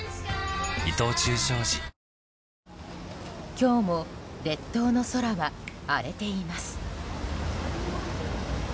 今日も列島の空は荒れています。